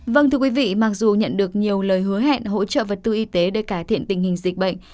vâng thưa quý vị mặc dù nhận được nhiều lời hứa hẹn hỗ trợ vật tư y tế để cải thiện tình hình dịch bệnh